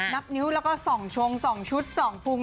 นับนิ้วแล้วก็ส่องชง๒ชุด๒พุง